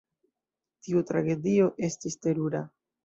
Tiu tragedio estis terura.